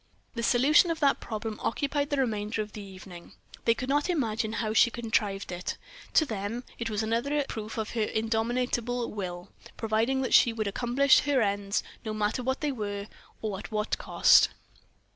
The solution of that problem occupied the remainder of the evening. They could not imagine how she had contrived it. To them it was another proof of her indomitable will, proving that she would accomplish her ends, no matter what they were, or at what cost.